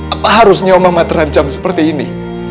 apa harusnya oma terancam seperti ini